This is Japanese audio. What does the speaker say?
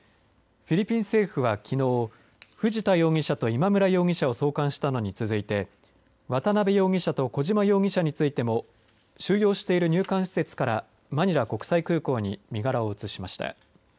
フィリピン政府はきのう藤田容疑者と今村容疑者を送還したのに続いて渡邉容疑者と小島容疑者についても収容している入管施設からマニラ国際空港に身柄を移しました。